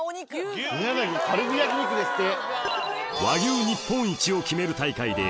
カルビ焼肉ですって。